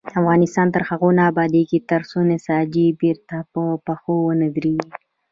افغانستان تر هغو نه ابادیږي، ترڅو نساجي بیرته په پښو ونه دریږي.